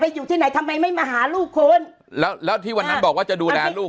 อยู่ที่ไหนทำไมไม่มาหาลูกคนแล้วแล้วที่วันนั้นบอกว่าจะดูแลลูก